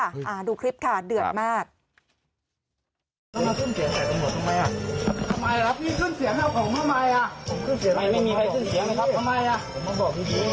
ผมต้องบอกจริงนะครับ